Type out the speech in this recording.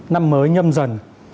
năm mới nhâm dần